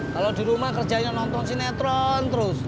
kalau di rumah kerjanya nonton sinetron terus